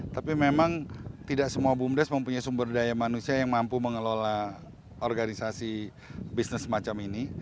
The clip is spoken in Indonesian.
tapi memang tidak semua bumdes mempunyai sumber daya manusia yang mampu mengelola organisasi bisnis semacam ini